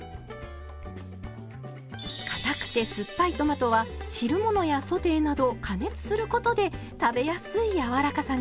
かたくて酸っぱいトマトは汁物やソテーなど加熱することで食べやすいやわらかさに。